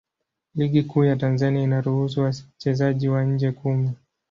Ligi Kuu ya Tanzania inaruhusu wachezaji wa nje kumi.